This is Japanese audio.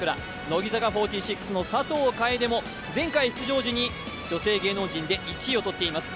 乃木坂４６の佐藤楓も前回出場時に女性芸能人で１位を取っています。